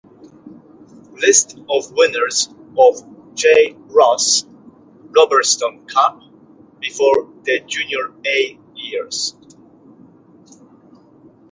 List of winners of the J. Ross Robertson Cup before the Junior A years.